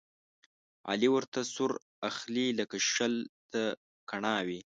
علي ورته سور اخلي، لکه شل ته کڼاوې.